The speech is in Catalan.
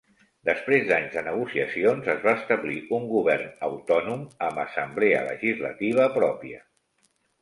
Després d'anys de negociacions es va establir un govern autònom amb assemblea legislativa pròpia.